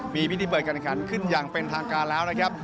มีพิธีเปิดการขันขึ้นอย่างเป็นทางการแล้วนะครับ